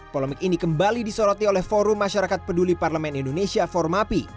polemik ini kembali disoroti oleh forum masyarakat peduli parlemen indonesia formapi